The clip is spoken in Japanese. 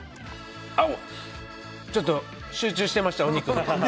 ちょっと集中してましたお肉に。